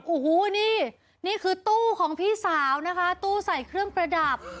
โอ้โหนี่นี่คือตู้ของพี่สาวนะคะตู้ใส่เครื่องประดับ